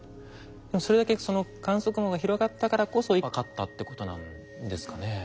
それだけその観測網が広がったからこそ分かったってことなんですかね？